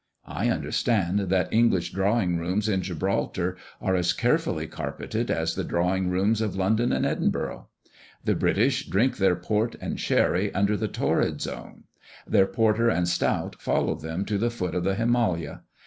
I understand that English drawing rooms at Gibraltar are as carefully carpeted as the drawing rooms of London and Edinburgh. The British drink their port and sherry under the torrid zone; their porter and stout follow them to the foot of the Himalaya.